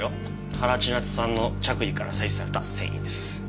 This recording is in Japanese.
原千夏さんの着衣から採取された繊維です。